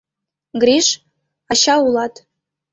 Гриш, ача улат».